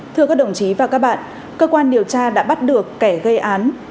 thưa các đồng chí và các bạn cơ quan điều tra đã bắt được kẻ gây án